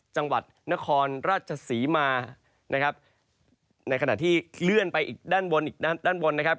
จังหวัดนครราชศรีมานะครับในขณะที่เลื่อนไปอีกด้านบนอีกด้านด้านบนนะครับ